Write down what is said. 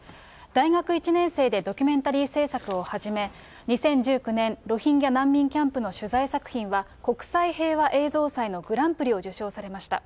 大学１年生でドキュメンタリー制作を始め、２０１９年、ロヒンギャ難民キャンプの取材作品は、国際平和映像祭のグランプリを受賞されました。